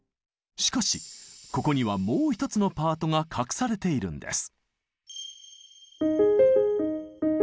しかしここにはもう一つのパートが隠されているんです。